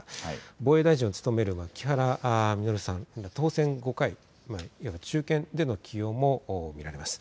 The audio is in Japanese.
防衛大臣を務める木原稔さん、当選５回、いわば中堅での起用も見られます。